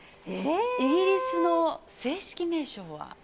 イギリスの正式名称は？